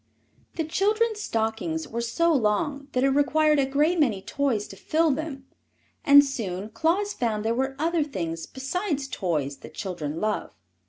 The children's stockings were so long that it required a great many toys to fill them, and soon Claus found there were other things besides toys that children love.